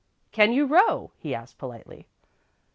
"Can you row?" he asked, politely.